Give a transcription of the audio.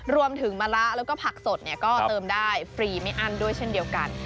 มะละแล้วก็ผักสดก็เติมได้ฟรีไม่อั้นด้วยเช่นเดียวกัน